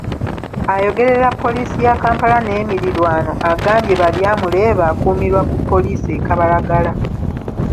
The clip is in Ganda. Ayogerera Poliisi ya Kampala n’emirirwano agambye Baryamureeba akuumirwa ku Pollisi e Kabalagala.